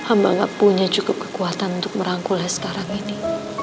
amba gak punya cukup kekuatan untuk merangkulnya sekarang ini